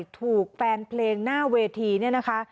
ถูกแฟนเพลงหน้าเวทีเนี่ยนะคะ